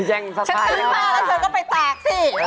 ฉันซื้อมาแล้วเธอก็ไปตากสิ